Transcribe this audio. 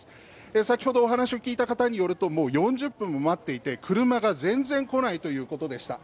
先ほどお話を聞いた方によるともう４０分も待っていて車が全然来ないということでした